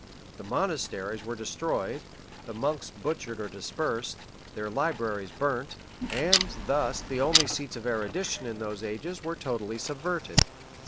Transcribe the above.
The monasteries were destroyed, the monks butchered or dispersed, their libraries burnt; and thus the only seats of erudition in those ages were totally subverted.